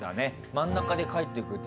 真ん中で帰っていくって。